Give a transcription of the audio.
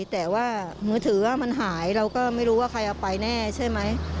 แต่ว่ามือถือว่ามันหายเราก็ไม่รู้ว่าใครเอาไปแน่ใช่ไหม